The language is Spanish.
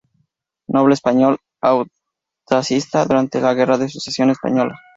Noble español austracista durante la Guerra de Sucesión Española.